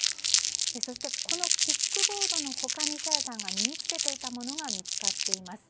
そして、このキックボードの他に朝芽さんが身に着けていたものが見つかっています。